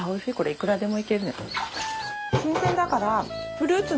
いくらでもいけるね。